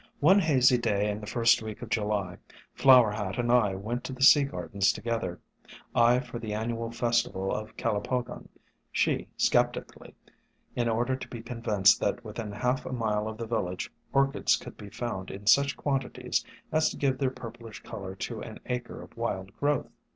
One hazy day in the first week of July, Flower Hat and I went to the Sea Gardens together, I for the annual festival of Calopogon, she skep tically, in order to be convinced that within half a mile of the village Orchids could be found in such quantities as to give their purplish color to an acre of wild growth.